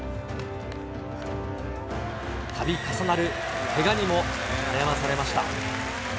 たび重なるけがにも悩まされました。